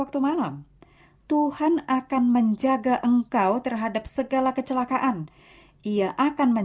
tolong dengarkan doa dan seruan kami